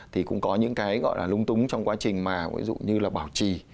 thì cũng có những cái gọi là lung túng trong quá trình mà ví dụ như là bảo trì